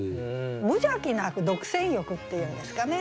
無邪気な独占欲っていうんですかね。